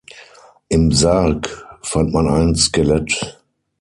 Im Sarg fand man ein Skelett.